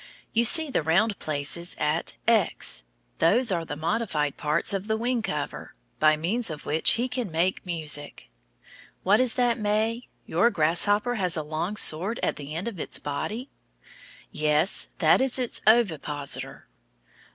You see the round places at X, those are the modified parts of the wing cover, by means of which he can make his music. What is that, May? Your grasshopper has a long sword at the end of its body? Yes, that is its ovipositor.